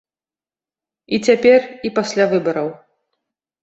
І цяпер, і пасля выбараў.